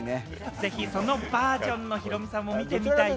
ぜひ、そのバージョンのヒロミさんも見てみたいね。